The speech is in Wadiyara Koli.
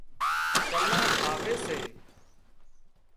چلها ٺاوي سي